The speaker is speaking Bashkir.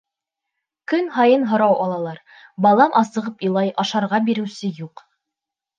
Көн һайын һорау алалар, балам асығып илай, ашарға биреүсе юҡ.